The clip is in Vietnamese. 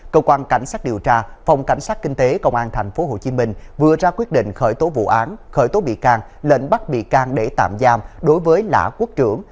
cơ quan cảnh sát điều tra phòng cảnh sát kinh tế công an tp hcm vừa ra quyết định khởi tố vụ án khởi tố bị can lệnh bắt bị can để tạm giam đối với lã quốc trưởng